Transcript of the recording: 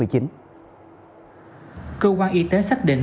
cơ quan y tế xác định